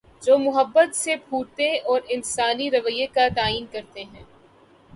جومحبت سے پھوٹتے اور انسانی رویے کا تعین کر تے ہیں۔